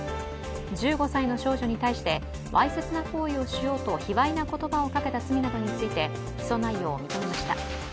１５歳の少女に対してわいせつな行為をしようと卑わいな言葉をかけた罪などについて起訴内容を認めました。